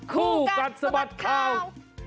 คู่กัดสะบัดข่าว